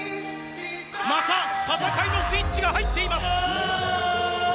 また、戦いのスイッチが入っています。